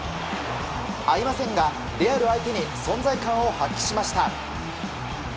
合いませんが、レアル相手に存在感を発揮しました。